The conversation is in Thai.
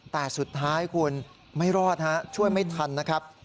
แต่สุดท้ายคุณไม่รอดฮะช่วยไม่ทันนะครับ